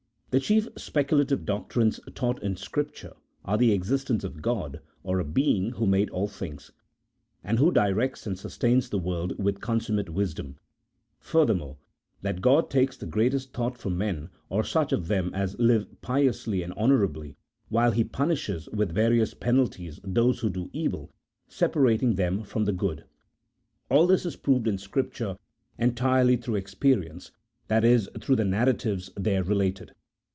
The chief speculative doctrines taught in Scripture are the existence of God, or a Being Who made all things, and Who directs and sustains the world with consummate wisdom; furthermore, that G od takes the greatest thought for men, or such of them as live piously and honourably, while He punishes, with various penalties, those who do evil, separating them from the good. All 78 A THEOLOGICO POLITICAL TREATISE. [CHAP. V. this is proved in Scripture entirely through experience — that is, through the narratives there related.